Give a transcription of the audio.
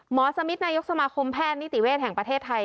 สมิทนายกสมาคมแพทย์นิติเวศแห่งประเทศไทย